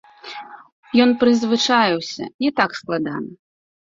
Ён прызвычаіўся, не так складана.